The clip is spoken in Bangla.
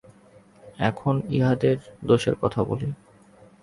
এখন ইহাদের দোষের কথা বলি।